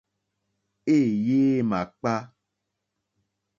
Éèyé é màkpá.